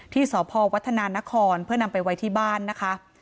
ที่สพวัฒนานครเพื่อนำไปไว้ที่บ้านนะคะ